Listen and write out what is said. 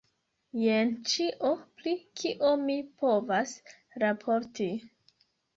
Jen ĉio, pri kio mi povas raporti.